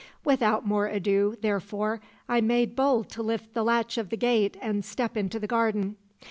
Without more ado, therefore, I made bold to lift the latch of the gate and step into the garden.